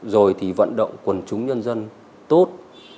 rồi thì vận động quần chúng nhân dân tốt